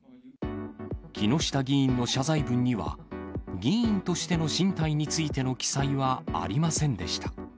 木下議員の謝罪文には、議員としての進退についての記載はありませんでした。